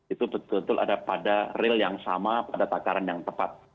itu betul betul ada pada real yang sama pada takaran yang tepat